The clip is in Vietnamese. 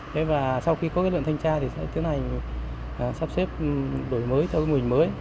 thế và sau khi có cái lượng thanh tra thì sẽ tiến hành sắp xếp đổi mới cho mô hình mới